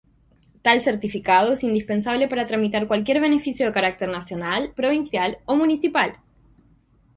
Tal certificado es indispensable para tramitar cualquier beneficio de carácter nacional, provincial o municipal.